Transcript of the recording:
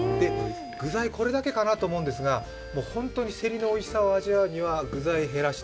具材これだけかなと思われるんですが、ホントにセリのおいしさを味わうには具材を減らして